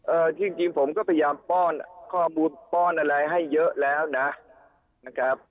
จริงจริงผมก็พยายามป้อนข้อมูลป้อนอะไรให้เยอะแล้วนะนะครับ